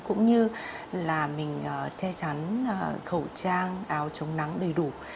cũng như là mình che chắn khẩu trang áo chống nắng đầy đủ